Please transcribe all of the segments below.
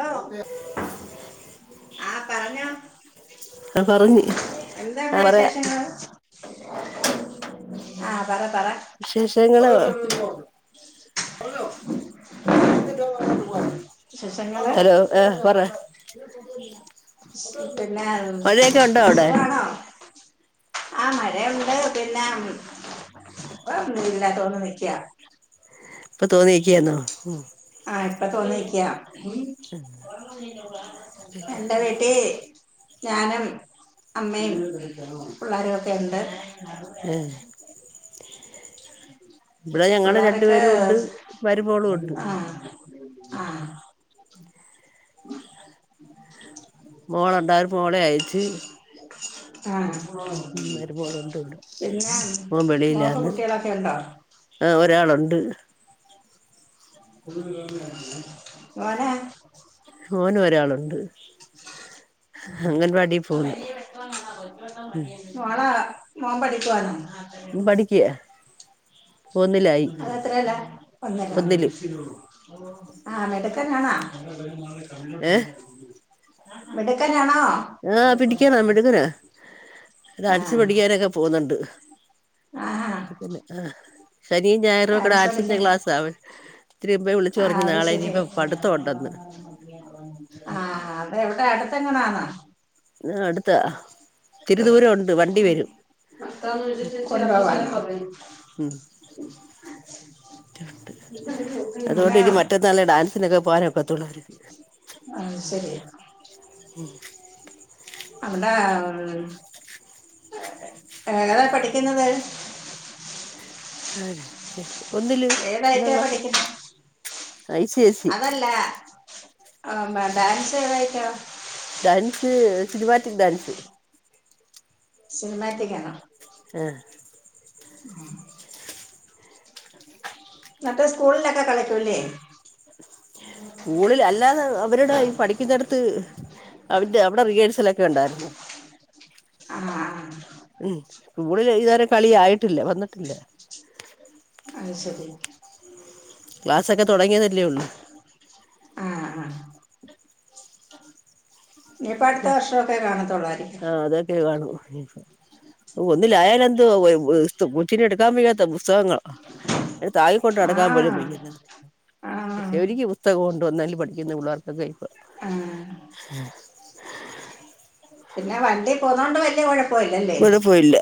Hello ആ പറഞ്ഞോ ആഹ് പറഞ്ഞി എന്തുണ്ട് ആഹ് പറയാ വിശേഷങ്ങള് ആഹ്, പറ.. പറ വിശേഷങ്ങള് വിശേഷങ്ങള് ഹലോ ആ പറെ പിന്നെ മഴയൊക്കെ ഉണ്ടോ അവടെ? ആഹ് മഴയുണ്ട് പിന്നെ ഇപ്പോ ഇല്ല തോന്നു നിക്കുവാ ഇപ്പൊ തോന്നിയിരിക്കയാന്നോ ഉം- ആഹ് ഇപ്പ തോർന്നിരിക്കയാ, എന്റെ വീട്ടി ഏ ഞാനും അമ്മയും പിള്ളേരൊക്കെ ഉണ്ട് നട്ടുവേദനെ ഏ ഇവിടെ ഞങ്ങള് പിള്ളാരൊക്കെ രണ്ടുപേരും ഉണ്ട് മരുമോളും ഉണ്ട് ആഹ് ആഹ് മോളുണ്ടായിരുന്നു മോളെ അയച്ച് മ് മരുമോളുണ്ട് ഇവിടെ പിന്നെ മോക്ക് കുട്ട്യേളൊക്കെ ഉണ്ടോ? ആഹ് ഒരാളുണ്ട് മോനെ മോന് ഒരാളുണ്ട് അംഗൻവാടി പോന്ന് [inaudible] മോള മോൻ പഠിക്കുവാന്നോ ഉം പഠിക്കയാ ഒന്നിലായി അതെത്രേലാ ഒന്നിലോ ഒന്നില് ആഹ് മിടുക്കൻ ആണോ ഏ മിടുക്കാനാണോ ആ പിടിക്കണം മിടുക്കന അത് ആ അടിച്ച് പൊട്ടിക്കാനൊക്കെ പോന്നുണ്ട് ആഹാ പിന്നെ ആഹ് ശനിയും ഞായറൂകുടെ ഡാൻസ് ആഡ്സിന്റെ പഠിക്കാൻ ക്ലാസ് അവി ഇത്തിരിയും മുൻപെ വിളിച്ച് ആ പറഞ് നാളെ ഇനി ഇപ്പ പഠ്ത്ത മുണ്ടന്ന് ആഹ് അത് എവിടാ അടുത്തെ എങ്ങനാന്നാ അടുത്താ ഇത്തിരി ദൂരം ഉണ്ട് വണ്ടി വരും ഉം [unintelligible] അതുകൊണ്ട് ഇനി അങ്ങനെയാണോ മറ്റന്നാളെ ഡാൻസിനൊക്കെ പോകാനൊക്കത്തോള്ളരിക്കും ആം ശരിയാ ഉം അവിടെ ഏതാ പഠിക്കുന്നത് അഹ് ഒന്നില് ഒന്നാം ഏതായിട്ടാ ക്ലാസില് പഠിക്കുന്നത് ഐ സി സ്‌ സി അല്ല അ ഡാൻസ് [unintelligible] ഡാൻസ് സിനിമാറ്റിക്ക് ഡൻസ് സിനിമാറ്റിക്കാണോ ആഹ് എന്നട്ട് സ്കൂളിലൊക്കെ കളിക്കൂല്ലേ സ്കൂളിൽ അല്ലാതെ അവരുടെ ഈ പഠിക്കുന്നടത്ത് ത്ത് അവന്റെ അവിടെ റിഹെഴ്സലോക്കെ ഉണ്ടായിരുന്ന് [unintelligible] ഉം മുകളിലിരിക്കുന്നവരെ കളിയായിട്ടില്ല വന്നിട്ടില്ല അത് ശരി ക്ലാസ്ഒക്കെ തൊടങ്ങിയതല്ലേ ഉള്ളൂ ആഹ് ആഹ് ഇനിയിപ്പോ അടുത്ത വർഷമൊക്കെ കാണത്തുള്ളായിരിക്കും ആ അതൊക്കെ കാണൂ ഒന്നില്ലായാലെന്ത് വാ യ്യ കൊച്ചിനെടുക്കാൻ വയ്യാത്ത പുസ്തകങ്ങളാ താങ്ങി കൊണ്ട് ആ നടക്കാൻ പോലും വയ്യന്ന് ആ പക്ഷെ ഒരിക്ക പുസ്തകം കൊണ്ട് വന്നല് പഠിക്കുന്ന പിള്ളേർക്കൊക്കെ ഇപ്പ ആ [unintelligible] പിന്നെ വണ്ടി പോന്നൊണ്ട് വല്യ കോയ ഇവിടെ പോയില്ല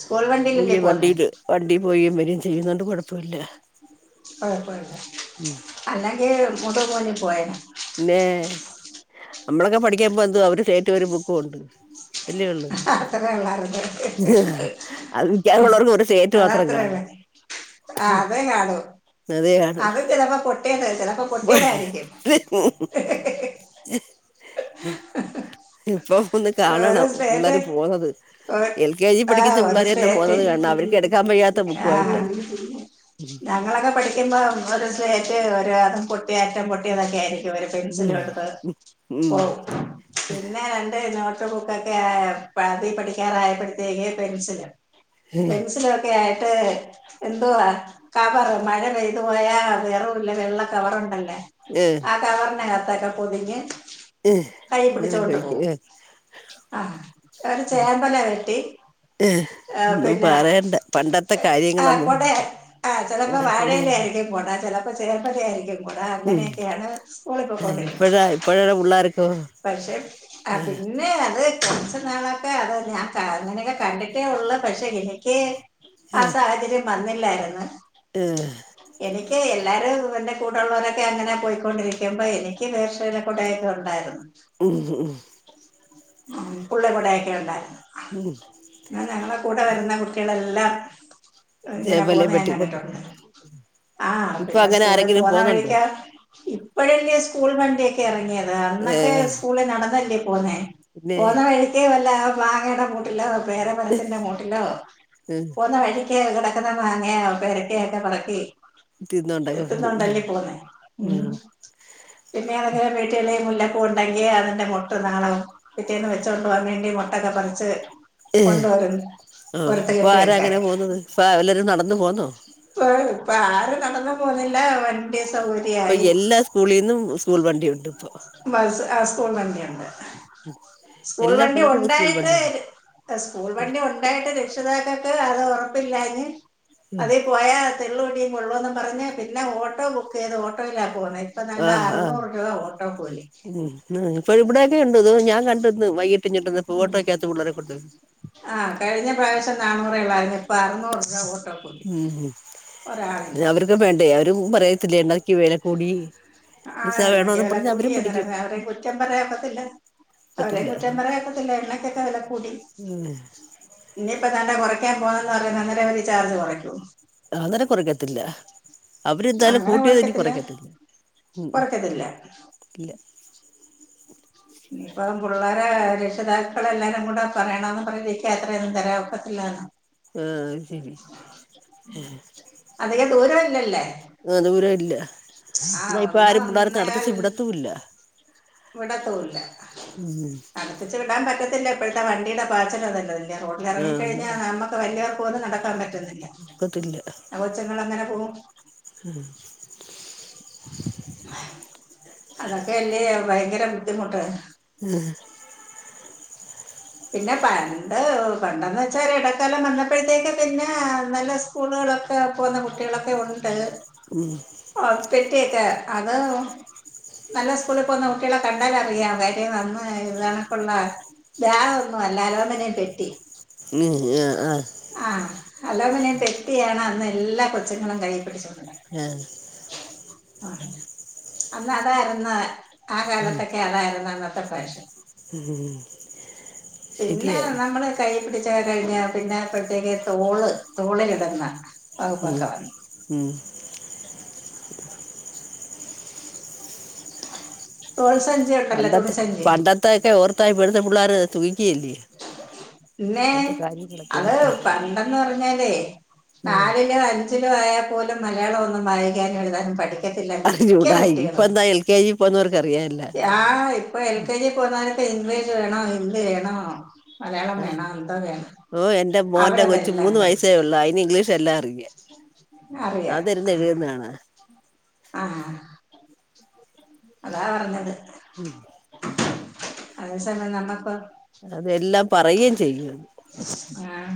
സ്കൂൾ വണ്ടി [unintelligible] വണ്ടില് വണ്ടി പോയിം വരേം ചെയ്യുന്നോണ്ട് കൊഴപ്പല്യ കൊഴപ്പോ ഇല്ല ഉം അല്ലങ്കെ [unintelligible] പോയെന പിന്നെ നമ്മളൊക്കെ പഠിക്കാബോന്തുവാ ഒരു സ്ലെയിറ്റും ഒരു ബുക്കും ഉണ്ട് വലിയ വെള്ളം അത്രേ ഉള്ളായിരുന്നു [unintelligible] ഒരു ചേറ്റ് മാത്രം കാണും. അതെ കാണൂ അതേ അത് കാണൂ ചിലപ്പോ പൊട്ടിയത് ചിലപ്പോ പൊട്ടിയതായിരിക്കും ഉ [unintelligible] ഇപ്പൊ ഒന്ന് ഒരു കാണണം സ്റ്റേറ്റ് പിള്ളേർ പോന്നത് ഒരു- എൽ കെ ജി, ആ പഠിക്കുന്ന ഒരു പുള്ളേരന്നെ സ്റ്റേറ്റ് പോന്നത് കാണണം. അവർക്ക് എടുക്കാൻ കയിയാത്ത ബുക്കുആയിട്ടാ ആ ഞങ്ങളൊക്കെ പഠിക്കുമ്പോൾ ഒരു സ്ലെറ്റ് ഒരു അതും പൊട്ടി അറ്റം പൊട്ടിയതൊക്കെ ആയിരിക്കും വരെ പെൻസിലും എടുത്ത് ഉം പോവും പിന്നേ എന്റ നോട്ട് [unintelligible] പത്തി പഠിക്കാറായപ്പോഴത്തേക്ക് പെന്സില് പെന്സില് ഒക്കെ ആയിട്ട് എന്തുവാ കവർ മഴ പെയ്തു പോയാ വെറെ വെള്ള കവറുണ്ടല്ലേ. ഏഹ് ആ കവറിനകത്തക്കൊ പൊതിഞ്ഞ് ഏഹ് കൈ അങ്ങനെ പിടിച്ചോണ്ട് കഴിക്കും പോവും. ഏഹ് ആഹ് ഒര് ചേമ്പേല വെട്ടി ഹ്ഹ്, ന്നും പിന്നെ പറയണ്ട. പണ്ടത്തെ കാര്യങ്ങളൊന്നും ചിലപ്പോൾ ആഹ് കൂടെ വാഴയിലെ ആയിരിക്കും കുടാ, ചിലപ്പോൾ ചേർപ്പല ആയിരിക്കും കുടാ, അങ്ങനെയൊക്കെയാണ്. സ്കൂളിൽ പെക്കോണ്ടിരുന്നത്. ഇപ്പഴ ഇപ്പയുള്ള പിള്ളർക്കോ പക്ഷെ ആഹ് പിന്നെ പിന്നെ അത് കുറച്ച നാളൊക്കെ അത് ഞാൻ കേ അങ്ങനെയൊക്കെ കണ്ടിട്ടേ ഉള്ളു പക്ഷെ എനിക്ക് ആ ഏഹ് സാഹചര്യം വന്നില്ലായിരുന്ന് ഏഹ് എനിക്ക് എല്ലാരും എന്റെ കൂടെള്ളവരൊക്കെ അങ്ങനെ പോയിക്കൊണ്ടിരിക്കുമ്പോ എനിക്ക് പേർഷ ടെയൊക്കെ ഉണ്ടായിരുന്നു. [unintelligible] ഉം പുള്ളി കൂടെക്കെ ഉണ്ടായിരുന്നു ഉം എന്നാ ഞങ്ങളുടെ കൂടെ വരുന്ന കുട്ടിക്കളെല്ലാം ഇങ്ങനെ ഇതേപോലെ പോന്ന ഞാൻ വെട്ടിക്കൊണ്ട് കണ്ടിട്ടുണ്ട് പോണ് ആ ഇപ്പൊ പിന്നെ അങ്ങനെ സ്കൂളിൽ ആരെങ്കിലും പോന്ന പോന്നുണ്ടോ വഴക്ക ഇപ്പോഴല്ലേ സ്കൂൾ വണ്ടിയൊക്കെ ഇറങ്ങിയത് അന്നൊ ഏഹ് സ്കൂളി നടന്നല്ലേ പോന്നേ പിന്നെ പോന്ന വഴിക്ക് വല്ല മാങ്ങയുടെ വല്ല പേരമരത്തിന്റെ മൂട്ടിലോ ഉം പോന്നവഴി ക്കേ കെടക്കുന്ന മാങ്ങയാ പേരക്കൊയോക്കെ പറുക്കി തിന്നോണ്ടൊക്കെ പോവും എത്തുന്നുണ്ടല്ലേ പോന്നേ ഉം ഉം പിന്നെ അതങ്ങരെ വീട്ടില മുല്ല പൂണ്ടെങ്കില് അത്‌ന്റെ മുട്ടും താളവം. പിറ്റേന്ന് വെച്ചോണ്ട് പോകാൻ വേണ്ടി മുട്ടൊക്കെ പറിച്ച് [unintelligible] കൊണ്ടുവരും ആഹ്, പൊറത്ത് പ്പൊ കെട്ടി ആര വെക്കാൻ അങ്ങനെ പോകന്നത്. ഇപ്പ വല്ലരും നടന്നു പോന്നോ പ്പ് ഇപ്പൊ ആരും നടന്നു പോകുന്നില്ല വണ്ടി സൗക പ്പൊ എല്ലാ സ്കൂളിന്നും സ്കൂൾ വണ്ടി ഉണ്ട് പ്പൊ. ബസ്സ് ആ സ്കൂൾ വണ്ടിയുണ്ട് സ്കൂൾ എല്ലാ വണ്ടി പിള്ളേരും സ്കൂൾ ഉണ്ടായിട്ട് വണ്ടിയില് സ്കൂൾ വണ്ടി ഉണ്ടായിട്ട് രക്ഷിതാക്കക്ക് അത് ഉറപ്പില്ലാഞ് ഉം പോയാ തെള്ളുടിയും കൊള്ളുംന്ന് പറഞ് പിന്നെ ഓട്ടോ ബുക്ക് ചെയ്ത് ഓട്ടോയിലാ പോവുന്നേ താണ്ട് ആഹ് ആഹ് അറുനുറ് രൂപ ഓട്ടോ കൂലി ഉം ഇന്ന്പ്പോ ഇവിടെയെന്നെ ഉണ്ട് ഇത് ഞാൻകണ്ടിന്ന് വൈകീട്ട് ഇങ്ങോട്ട്‌ വന്നപ്പോ ഓട്ടോക്കകത്ത് പിള്ളെരെ കൊണ്ട് വ ആഹ് കഴിഞ്ഞ പ്രാവശ്യം നാണൂറ ള്ളായിരുന്നു ഇപ്പൊ അറുന്നൂറ് രൂപ ഓട്ടോ കൂലി ഉം ഒരാളിന് അവർക്ക് വേണ്ടേ അവരും പറയത്തില്ലേ എണ്ണക്ക് വേല കൂടി ആഹ് പൈസ എണ്ണക്ക്‌ വേണോന്ന് വേല പറഞ്ഞ് അവരും പിടിക്കും കൂട്ടിയന്നേരം അവരയും കുറ്റം പറയാനോക്കത്തില്ല അവരേം പറ്റില്ല കുറ്റം പറയാനോക്കത്തില്ല എണ്ണകേക്കെ വില കൂടി ഇനിയിപ്പൊ താണ്ടേ കുറയ്ക്കാൻ പോവാന്ന് പറയ്ന്ന് അന്നേരവര് ചാർജ് കുറയ്‌ക്കോ അഹ് അന്നേരം കുറക്കത്തില്ല അവര്ന്തായാലും കൂട്ടിയതിനി കൊറക്കത്തില്ല ഉം ഉം കൊറക്കത്തില്ല ഇല്ല ഇപ്പം പുള്ളേരെ രക്ഷിതാക്കളെല്ലാരും കൂടെ പറയണംന്ന് പറനിരിക്കത്രെ തരാൻ ഒക്കത്തില്ല [unintelligible] ആഹ് ശരി അതിക ദൂരവില്ലല്ലേ ആഹ് ദൂരം ഇല്ല എന്നാ ഇപ്പൊ ഒന്ന് ആരും പിള്ളോര നടത്തിചു വിടത്തും ഇല്ല ഇവിടതുംല്ല ഉം പറപ്പിച്ച് വിടാൻ പറ്റത്തില്ല ഇപ്പഴത്തെ വണ്ടിയുടെ പച്ചലതല്ലതല്ലേ ആ അത റോഡിലിറങ്ങിക്കഴിഞ്ഞാൽ നമ്മ വല്ലവർക്ക പോലും നടക്കാൻ പറ്റുന്നില്ല നക്കത്തില്ല ആ കൊച്ചങ്ങൾ അങ്ങനെ പോകും മം അതൊക്കെ അല്ലേ ഭയങ്കര ബുദ്ധിമുട്ട് ഉം പിന്നെ പണ്ട് പണ്ടെന്ന് വെച്ചാ ഇടക്കാലം വന്നപ്പോഴത്തേക്ക് പിന്നെ നല്ല സ്കൂളുകളൊക്കെ പോക്ന്ന കുട്ടികളൊക്കെ ഉണ്ട് മം ആ പെറ്റിയൊക്കെ അത് നല്ല സ്കൂളിൽ പോകുന്ന കുട്ടികളെ കണ്ടാലറിയാം അതാര്യം നേരെ വന്നോ [unintelligible] വാ ഒന്നും അല്ല അലോമനേയും പെട്ടി മം ആഏ ആഹ് ആഹ് അലോമനയും പെട്ടിയാണ് അന്ന് എല്ലാ കൊച്ചുങ്ങളും കൈ പിടിച്ചോണ്ട് ആഹ് ആ അന്ന അതായിരുന്നാ ആ കാലത്തൊക്കെ അതായിരുന്നു അന്നത്തെ പ്രശൻ മം പിന്നെ നമ്മള് കൈ പിടിച്ച കഴിഞ്ഞ പിന്നെ അപ്പോഴത്തേക്ക് തോള് തോളെലിട്ന്ന ഉം ആകശവാണ് ഉം [unintelligible] [unintelligible] തോൾ സഞ്ചി ഒണ്ടല്ലോ? തുണി സഞ്ചി ഒക്കെ ഓർത്തായിപ്പഴത്തെ പിള്ളേർ ക്കല്ല പിന്നെ അന്ത കാര്യങ്ങളൊക്കെ അത് വർത്ത [unintelligible] പണ്ടെന്ന് പറഞ്ഞാലേ നാലിലോ അഞ്ചിലോ ആയാൽ പോലും മലയാളം ഒന്നും വായിക്കാനും എഴുതാനും പഠിക്കും ത്തില്ലക്കെ മിക്കകുട്ടികളും കേ ന്നോർക്ക്റിയാം ആ ഇപ്പൊ എൽ കെ ജി പോന്നാനോക്കെ ഇപ്പോ ഇംഗ്ലീഷ് വേണോ ഹിന്ദി വേണോ മലയാളം വേണ എന്താ വേണം ഓഹ് എന്റെ മോന്റെ കൊച് അവരതെല്ലാം മൂന്ന് വയസ്സായേള്ളൂ അയിന് ഇംഗ്ലീഷ്ല്ലാം അറിയാ. അറിയ ആഹ് അതാ പറഞ്ഞത് ഉം അതെ സമയം നമ്മക്ക അതെല്ലാം പറയെം ചെയ്യും ആഹ്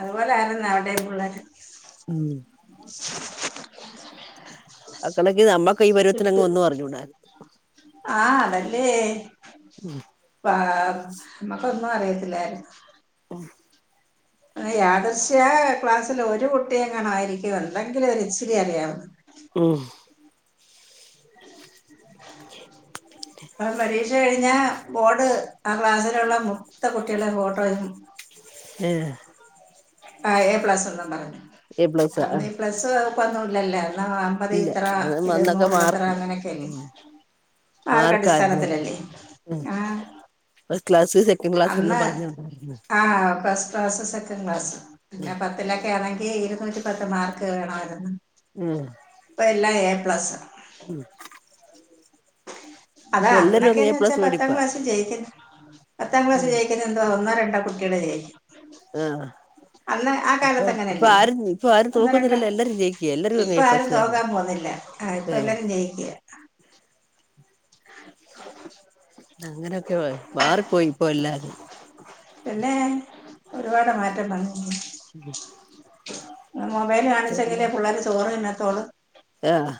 അത്പോലെ ആരുന്നു അവിടേം പിള്ളേർ ഉം [unintelligible] അക്കണക്കി നമ്മ ആഹ് അതല്ലേ ആ നമ്മ റിയത്തില്ലായിരുന്നു ആ യാദർശ്യ ക്ലാസ്സിൽ ഒരു കുട്ടിയെങ്ങണ ആയിരിക്കും അല്ലെങ്കിലും ഒര് ഇച്ചിരി അറിയാവുന്നെ മ്മ് പരീക്ഷ കഴിഞ്ഞാ ഫോണ് ആ ക്ലാസ്സിലുള്ള മൊത്ത കുട്ടികളേം ഫോട്ടോയും ഏഹ് ആ എ പ്ലസ് ഒന്നും പറഞ്ഞു എ പ്ലസാ അന്ന് ആഹ് പ്ലസ്ന്നുംല്ലല്ലേ എന്നാ അത് ഇല്ല ഇത്രാ അത് അന്നൊക്കെ ഇരുന്നൂറില് ഇത്ര മാർക്ക് അങ്ങനൊക്കെല്ലെ ഉം ആര്ടെ. മാർക്കായിരുന്നു അടിസ്ഥാനത്തിലല്ലെ ഉം ആഹ് ഫസ്റ്റ് ക്ലാസ്. സെക്കൻ ക്ലാസ്ന്ന് പറഞ്ഞൊ ആഹ് ഫസ് ക്ലാസ്സ് സെക്കൻ ക്ലാസ്. പിന്നെ പത്തിലൊക്കെ ആണെങ്കി ഇരുന്നൂറ്റി പത്ത് മാർക്ക് വേണായിരുന്നു ഉം ഇപ്പ എല്ലാ ഏ പ്ലസ്സ് ഉം അതാ ഇപ്പൊ എല്ലാരും അങ്ങ് അന്നൊക്കേന്ന് എ വെച്ച പ്ലസ് പത്താം മേടിപ്പാ ക്ലാസ്സ് ജയിക്കന്ന് പത്താം ക്ലാസ്സ് ഉം ജയി ഇന്നെ എന്തൊ ഒന്നൊ രണ്ടൊ കുട്ടീള് ജയിക്കും ആഹ് അന്ന് ആ ഇപ്പൊ കാലത്ത് ഇപ്പൊ അങ്ങനല്ലേ ആരും ഇപ്പൊ ആരും ഒന്നോ രണ്ടോ തോക്കുന്നില്ലല്ലൊ. എല്ലരും ജയിക്ക എല്ലരും അങ്ങ് ഏ പ്ലസ്സ് കാര അഹ് ഇപ്പല്ലരും ജയിക്ക അങ്ങനൊക്കെ വയ് മാറി പോയി പ്പൊ എല്ലാരും പിന്നേ ഒരുപാട് മാറ്റം വന്നിര്ന്നു [inaudible] മൊബൈല് ച്ചെ കാണിച്ചെങ്കിലെ പിള്ളേർ പുള്ളാര് ചോറ് തിന്നത്തുള്ളു ആഹ്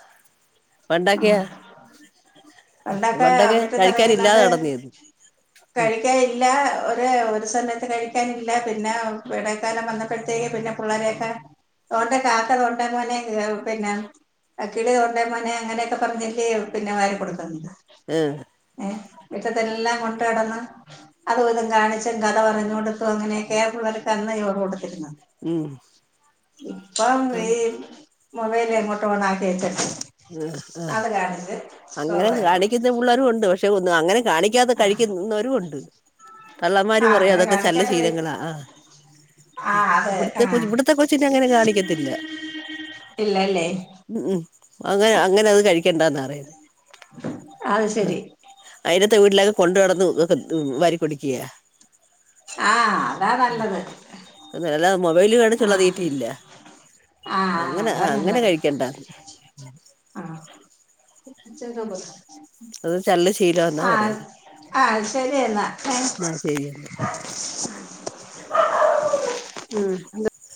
ആ പണ്ടൊക്ക്യാ പണ്ടൊക്കെ കഴിക്കാനില്ലാതെ നടന്നീര്ന്നു കഴിക്കാനില്ലാ ഒര് ഒര് സമയത്ത് കഴിക്കാനില്ല പിന്നെ വെടക്കാലം വന്നപ്പൊഴ്ത്തേക്ക് പിന്ന പുള്ളാരെക്കെ ഓന്റെ കാക്ക തോണ്ടെങ്ങനെ പിന്നെ അകിളി തോണ്ടെ മോനെ അങ്ങനെയൊക്കെ പറഞ്ഞല്ലെ പിന്നെ വാരി കൊട്ക്ക്ന്നത് ഏഹ് ഏഹ് മിറ്റത്തെല്ലാം കൊണ്ട്ടന്ന് അതും ഇതും കാണിച്ചും കഥ പറഞ്ഞോണ്ടും പ്പങ്ങനൊക്കെ. കേബ്ള്ടക്കാരനാ പുള്ളാരൊക്കെ ഇ യോറ് കൊണ്ട്ത്തര്നെ ഉം ഇപ്പൊ ഈ മൊബൈല് എങ്ങോട്ടോണാക്കി വച്ച്ട്ട് ഉം ആഹ് അങ്ങനൊക്കെ വാരി കൊടുക്കും കാണിക്ക്ന്ന പുള്ളാരുണ്ട് പഷെ ഒന്ന് അങ്ങനെ കാണി കഴിക്കാതെ കഴിക്കുന്നവരുണ്ട് തള്ളമാര് ആഹ് പറയു അങ്ങനെ അതൊക്കെ ചള്ള് കാണിക്കാതെ വഴി ശീലങ്ങള ആഹ് ആഹ് അത് ഇവിട്ത്തെ ഇവിടുത്തെ കൊച്ചിന് ആഹ് ഇവിട്ത്തെ കൊച്ചിന് അങ്ങനെ കാണിക്കത്തില്ല ഇല്ലല്ലേ ഉം അതെ അങ്ങനത് കഴിക്കണ്ടാന്നറയും അഹ് ശരി അയലത്തെ വീട്ട്ലൊക്കെ കൊണ്ട് നടന്ന് ഒകെ ത് വാരി കൊട്ക്ക്യാ ആഹ് അതാ നല്ലത് അത് അല്ല മൊബൈല് കാണിച്ച്ള്ള ആഹ് തീറ്റി ഇല്ല ആഹ് അങ്ങനെ അതാ അങ്ങനെ നല്ലത് കഴിക്കണ്ട [inaudible] അത് ചല്ല ശീലമാന്നാ ആഹ് പറയുന്നെ ആഹ് ശരിയെന്ന താങ് ചെയ്യുന്ന് എന്ത്